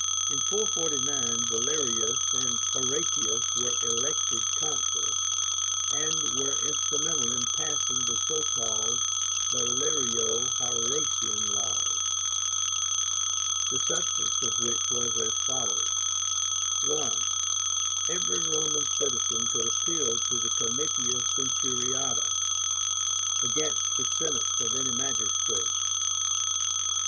In 449 Valerius and Horatius were elected Consuls, and were instrumental in passing the so called VALERIO HORATIAN laws, the substance of which was as follows: I. Every Roman citizen could appeal to the Comitia Centuriáta against the sentence of any magistrate.